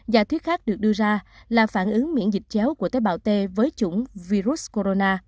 giả thuyết khác được đưa ra là phản ứng miễn dịch chéo của tế bào t với chủng virus corona